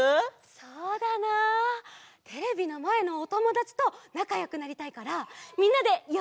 そうだなあテレビのまえのおともだちとなかよくなりたいからみんなでよびあいっこするのはどう？